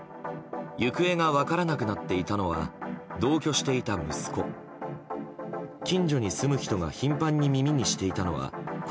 行方が分からなくなっていたのは同居していた息子。